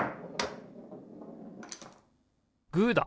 グーだ！